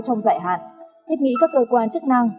trong dài hạn thiết nghĩ các cơ quan chức năng